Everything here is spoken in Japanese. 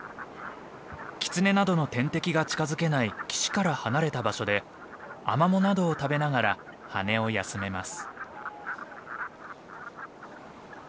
キツネなどの天敵が近づけない岸から離れた場所でアマモなどを食べながら羽を休めます。